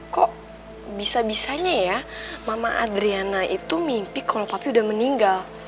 kok bisa bisanya ya mama adriana itu mimpi kalau papi udah meninggal